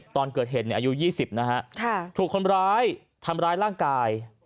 ตอนเกิดเหตุอายุ๒๐นะฮะถูกคนร้ายทำร้ายร่างกาย